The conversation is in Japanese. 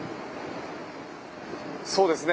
そうですね。